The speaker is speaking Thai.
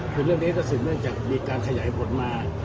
เป็นเรื่องนี้ก็สิ่งในจักรมีการขยายผลมา